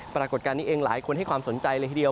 ปรากฏการณ์นี้เองหลายคนให้ความสนใจเลยทีเดียว